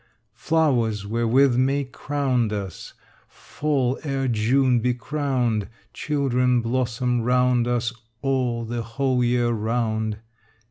Flowers wherewith May crowned us Fall ere June be crowned: Children blossom round us All the whole year round.